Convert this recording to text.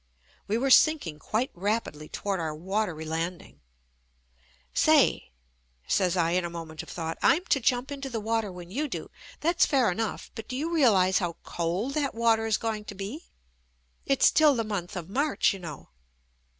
We were sinking quite rapidly toward our watery landing. "Say," says I in a moment of thought, "I'm to jump into the water when you do — that's fair enough, but do you realize how cold that water is going to be? It's still the month of March, you know."